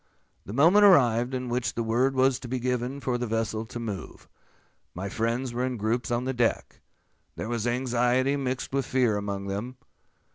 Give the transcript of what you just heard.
The moment arrived in which the word was to be given for the vessel to move. My friends were in groups on the deck. There was anxiety mixed with fear among them.